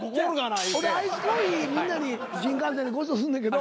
俺アイスコーヒーみんなに新幹線でごちそうすんねんけど。